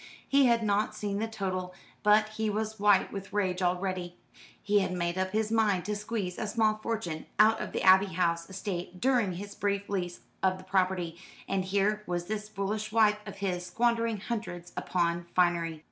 He had not seen the total, but he was white with rage already. He had made up his mind to squeeze a small fortune out of the Abbey House estate during his brief lease of the property; and here was this foolish wife of his squandering hundreds upon finery.